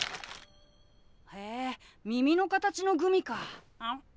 へえ耳の形のグミか。